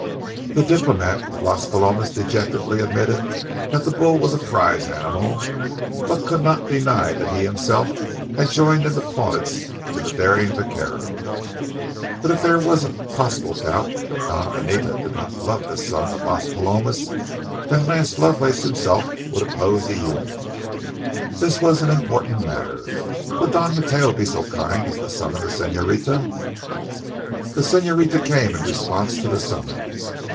The diplomat of Las Palomas dejectedly admitted that the bull was a prize animal, but could not deny that he himself had joined in the plaudits to the daring vaquero. But if there were a possible doubt that the Doña Anita did not love this son of Las Palomas, then Lance Lovelace himself would oppose the union. This was an important matter. Would Don Mateo be so kind as to summon the señorita? The señorita came in response to the summons.